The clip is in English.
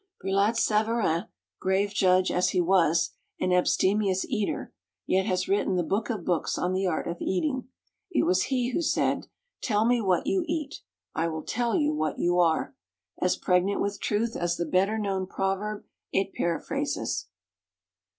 Brillat Savarin, grave judge as he was, and abstemious eater, yet has written the book of books on the art of eating. It was he who said, "Tell me what you eat, I will tell you what you are," as pregnant with truth as the better known proverb it paraphrases.